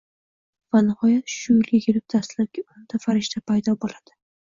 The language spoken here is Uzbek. Va nihoyat, shu yilga kelib dastlabki o‘nta farishta paydo bo‘ladi.